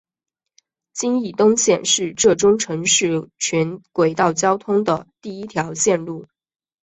金义东线是浙中城市群轨道交通的第一条线路。